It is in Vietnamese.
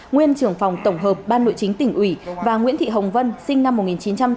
nguyên trưởng phòng tổng hợp ban nội chính tỉnh ủy và nguyễn thị hồng vân sinh năm một nghìn chín trăm tám mươi